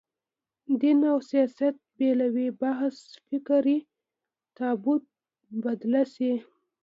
دین او سیاست بېلوالي بحث فکري تابو بدله شي